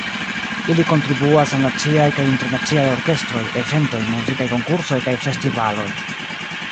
Ili kontribuas al naciaj kaj internaciaj orkestroj, eventoj, muzikaj konkursoj kaj festivaloj.